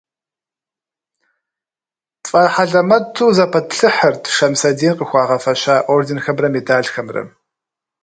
ТфӀэхьэлэмэту зэпэтплъыхьырт Шэмсэдин къыхуагъэфэща орденхэмрэ медалхэмрэ.